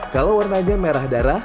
kalau warnanya merah darah